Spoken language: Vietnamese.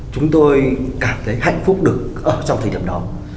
chúng tôi cảm thấy hạnh phúc được ở trong thời điểm đó